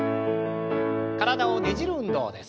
体をねじる運動です。